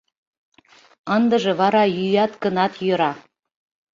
Ындыже вара йӱат гынат йӧра.